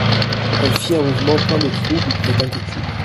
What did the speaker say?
Elle fit un mouvement plein de trouble et d'inquiétude.